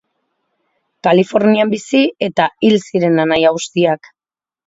Kalifornian bizi eta hil ziren anaia guztiak.